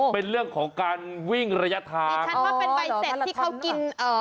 เป็นเรื่องของการวิ่งระยะทางดิฉันว่าเป็นใบเสร็จที่เขากินเอ่อ